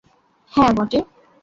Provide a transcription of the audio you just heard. হ্যাঁ, বটে!